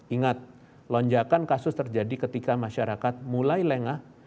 ingat lonjakan kasus terjadi ketika masyarakat mulai lengah